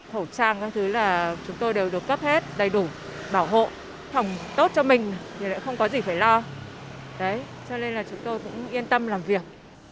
hậu trang các thứ là chúng tôi đều có thể làm được nhưng mà không có thể làm được